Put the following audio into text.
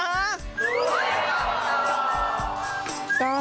รู้แล้วบอกต่อ